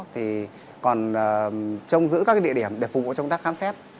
thì còn trông giữ các địa điểm để phục vụ trong công tác khám xét